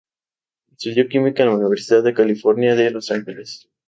Estudió química en la Universidad de California de Los Ángeles.